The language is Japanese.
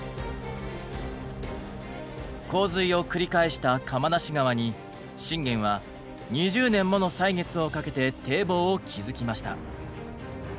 洪水を繰り返した釜無川に信玄は２０年もの歳月をかけて堤防を築きました。